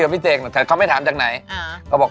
พี่เสกไปโทรมาใหม่ก็แล้วกัน